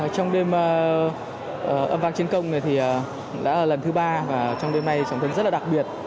trong đêm âm vang chiến công thì đã là lần thứ ba và trong đêm nay trọng tấn rất là đặc biệt